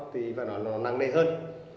thì phải nói nó nằm nơi hơn